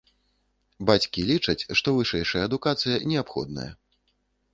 Бацькі лічаць, што вышэйшая адукацыя неабходная.